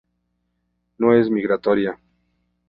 No es migratoria.